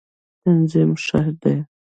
تنظیم ښه دی.